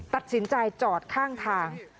ตัดสินใจจอดข้างทาง